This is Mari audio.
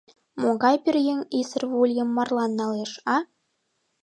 Могай пӧръеҥ исыр вӱльым марлан налеш, а?